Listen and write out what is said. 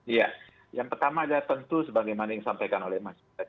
iya yang pertama tentu sebagai yang disampaikan oleh mas